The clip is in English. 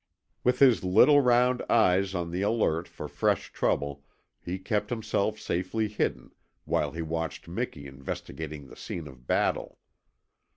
With his little round eyes on the alert for fresh trouble he kept himself safely hidden while he watched Miki investigating the scene of battle.